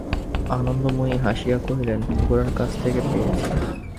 আনন্দময়ী হাসিয়া কহিলেন, গোরার কাছ থেকে পেয়েছি।